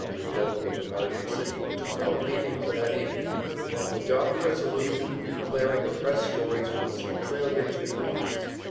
W. W. local of American City to call a meeting for that evening, to adopt a resolution declaring the press stories from Centralia to be lies.